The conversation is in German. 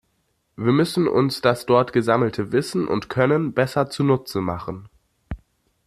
Wir müssen uns das dort gesammelte Wissen und Können besser zunutze machen.